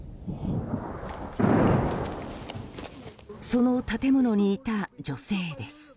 その建物にいた女性です。